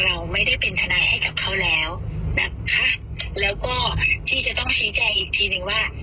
เราไม่ได้เป็นทนายให้กับเขาแล้วนะคะแล้วก็ที่จะต้องชี้แจงอีกทีหนึ่งว่า